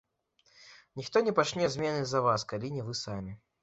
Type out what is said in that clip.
Ніхто не пачне змены за вас, калі не вы самі.